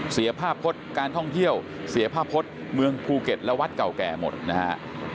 เสียภาพพจน์การท่องเที่ยวเสียภาพพจน์เมืองภูเก็ตและวัดเก่าแก่หมดนะฮะ